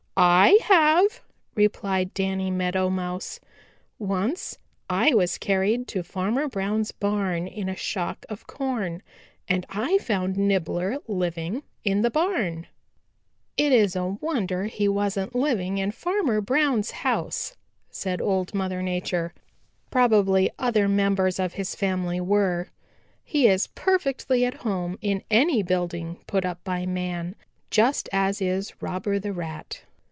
"I have," replied Danny Meadow Mouse. "Once I was carried to Farmer Brown's barn in a shock of corn and I found Nibbler living in the barn." "It is a wonder he wasn't living in Farmer Brown's house," said Old Mother Nature. "Probably other members of his family were. He is perfectly at home in any building put up by man, just as is Robber the Rat.